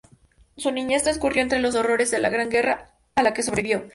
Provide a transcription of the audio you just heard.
Su niñez transcurrió entre los horrores de la gran guerra, a la que sobrevivió.